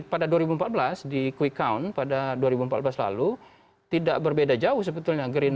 pada dua ribu empat belas di quick count pada dua ribu empat belas lalu tidak berbeda jauh sebetulnya